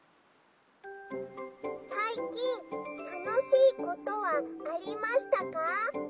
「さいきんたのしいことはありましたか？」。